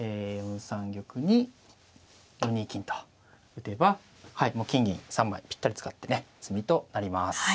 ４三玉に４二金と打てばはいもう金銀３枚ぴったり使ってね詰みとなります。